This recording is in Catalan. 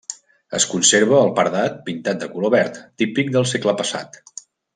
Es conserva el paredat pintat de color verd, típic del segle passat.